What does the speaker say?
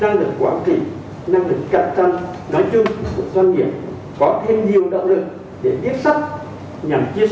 nói chung doanh nghiệp